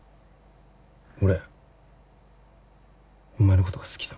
俺お前のことが好きだ。